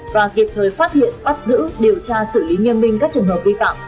và kịp thời phát hiện bắt giữ điều tra xử lý nghiêm minh các trường hợp vi phạm